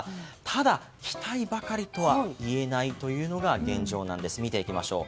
ただ期待ばかりとは言えないのが現状なんです。